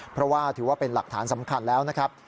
เพราะว่าถือว่าเป็นหลักฐานสำคัญแล้วนะครับ